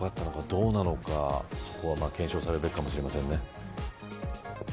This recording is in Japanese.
どうなのか、検証されるべきかもしれませんね。